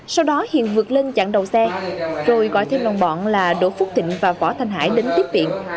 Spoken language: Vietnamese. sau đó hiền vượt lên chặng đầu xe rồi gọi thêm lòng bọn là đỗ phúc thịnh và võ thanh hải đến tiếp biện